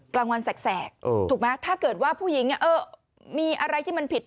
กลางวันแสกถูกไหมถ้าเกิดว่าผู้หญิงมีอะไรที่มันผิด